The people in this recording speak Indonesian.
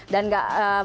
dan enggak enggak enggak